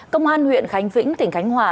công an huyện khánh vĩnh tỉnh khánh hòa